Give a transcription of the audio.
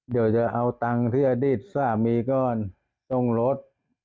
เดี๋ยวจะเอาตังค์ที่อดีตสามีก่อนต้องลด